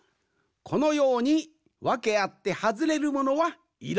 このようにわけあってはずれるものはいろいろあるんじゃ。